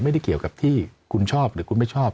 ไม่ได้เกี่ยวกับที่คุณชอบหรือคุณไม่ชอบ